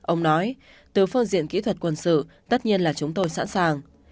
ông nói từ phương diện kỹ thuật quân sự tất nhiên là chúng tôi sẵn sàng